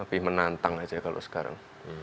lebih menantang aja kalau sekarang